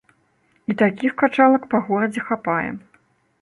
І такіх качалак па горадзе хапае.